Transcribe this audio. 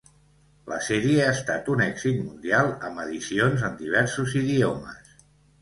La sèrie ha estat un èxit mundial amb edicions en diversos idiomes.